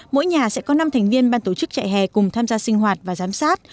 mỗi nhà sẽ có năm thành viên ban tổ chức chạy hè cùng tham gia sinh hoạt và giám sát